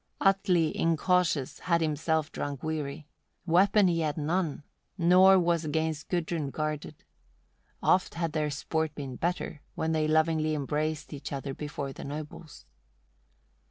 40. Atli incautious had himself drunk weary; weapon he had none, nor was 'gainst Gudrun guarded. Oft had their sport been better, when they lovingly embraced each other before the nobles.